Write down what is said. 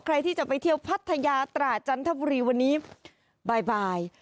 ใครที่จะไปเที่ยวพัทยาตราจันทบุรีวันนี้บ่าย